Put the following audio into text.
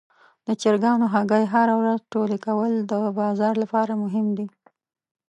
د چرګانو هګۍ هره ورځ ټولې کول د بازار لپاره مهم دي.